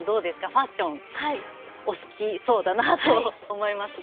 ファッションお好きそうだなと思いますが。